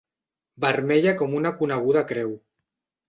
Vermella com una coneguda creu.